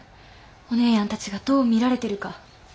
お姉やんたちがどう見られてるか。